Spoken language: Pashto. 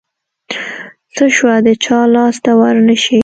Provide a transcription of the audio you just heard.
څه شوه د چا لاس ته ورنشي.